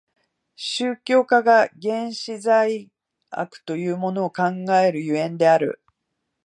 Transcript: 宗教家が原始罪悪というものを考える所以である。